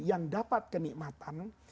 yang dapat kenikmatan